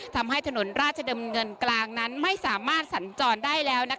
ทำให้ถนนราชดำเนินกลางนั้นไม่สามารถสัญจรได้แล้ว